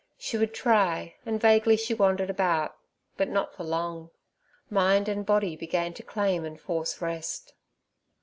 She would try, and vaguely she wandered about, but not for long—mind and body began to claim and force rest.